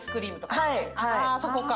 あそこか。